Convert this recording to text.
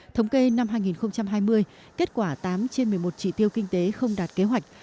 thống kê năm hai nghìn hai mươi kết quả tám trên một mươi một trị tiêu kinh tế không đạt kế hoạch